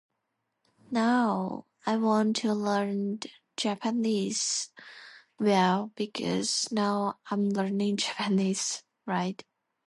Now I want to learned Japanese well because now I'm learning Japanese right.